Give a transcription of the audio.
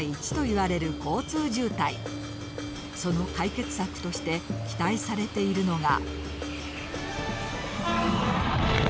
その解決策として期待されているのが。